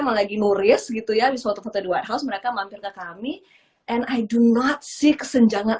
melalui murid gitu ya bisa foto foto dua house mereka mampir ke kami and i do not see kesenjangan